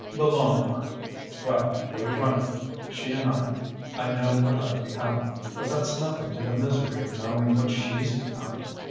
The long run well, we've run it, she and I. I know what I've become, but that's nothing to the misery of knowing what she's become.